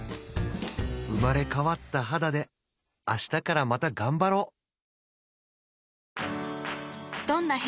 生まれ変わった肌で明日からまた頑張ろう！